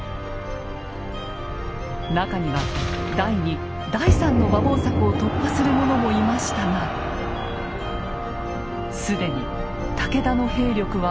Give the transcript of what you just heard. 中には第２第３の馬防柵を突破する者もいましたが既に武田の兵力は僅か。